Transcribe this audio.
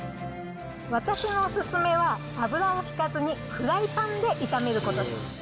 私のお勧めは、油を引かずにフライパンで炒めることです。